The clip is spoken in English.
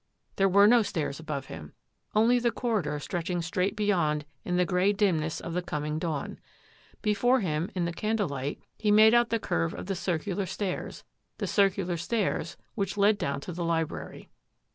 There were no stairs above him, only the corridor stretch ing straight beyond in the grey dimness of the coming dawn. Before him, in the candle light, he made out the curve of the circular stairs — the circular stairs which led down to the library.